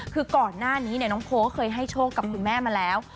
คือก่อนหน้านี้น้องโพก็เคยให้โชคกับคุณแม่มาแล้ว